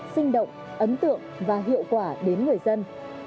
sinh động ấn tượng và hiệu quả đến người dân